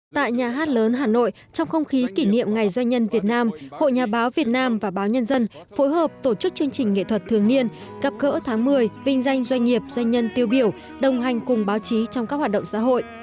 tại nhà hát lớn hà nội trong không khí kỷ niệm ngày doanh nhân việt nam hội nhà báo việt nam và báo nhân dân phối hợp tổ chức chương trình nghệ thuật thường niên gặp gỡ tháng một mươi vinh danh doanh nghiệp doanh nhân tiêu biểu đồng hành cùng báo chí trong các hoạt động xã hội